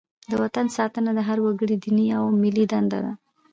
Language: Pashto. د وطن ساتنه د هر وګړي دیني او ملي دنده ده.